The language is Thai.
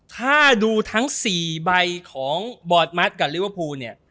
ถ้าดูทั้ง๔ใบของบอร์ดมัสกับลิเวอร์พูลเนี่ย